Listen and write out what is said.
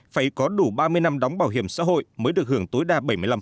phải có đủ ba mươi năm đóng bảo hiểm xã hội mới được hưởng tối đa bảy mươi năm